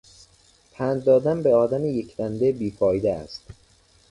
پند دادن به آدم یکدنده بی فایده است.